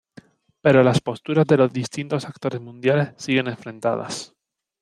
Pero las posturas de los distintos actores mundiales siguen enfrentadas.